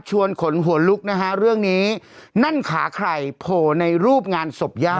ขนหัวลุกนะฮะเรื่องนี้นั่นขาใครโผล่ในรูปงานศพย่า